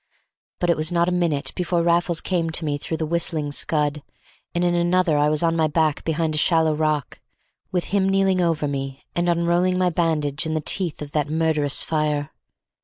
But it was not a minute before Raffles came to me through the whistling scud, and in another I was on my back behind a shallow rock, with him kneeling over me and unrolling my bandage in the teeth of that murderous fire.